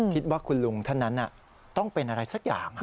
คิดว่าคุณลุงท่านนั้นต้องเป็นอะไรสักอย่าง